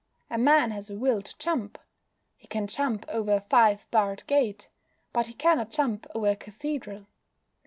A man has a will to jump. He can jump over a five barred gate; but he cannot jump over a cathedral.